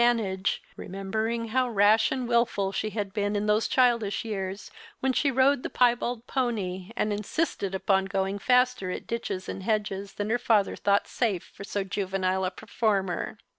77 manage, remembering how rash and wilfiil she had been in those childish years, when she rode the piebald pony, and insisted upon going faster at ditches and hedges than her father thought safe for so juvenile a performer.